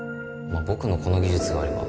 まあ僕のこの技術があれば